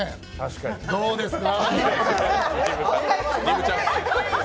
どうですか？